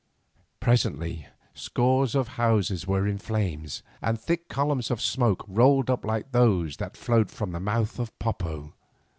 Presently scores of houses were in flames, and thick columns of smoke rolled up like those that float from the mouth of Popo.